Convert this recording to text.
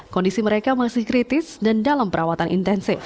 kondisi mereka masih kritis dan dalam perawatan intensif